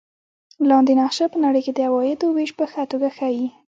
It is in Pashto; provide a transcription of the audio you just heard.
لاندې نقشه په نړۍ کې د عوایدو وېش په ښه توګه ښيي.